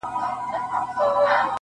ورور هم فشار للاندي دی او خپل عمل پټوي-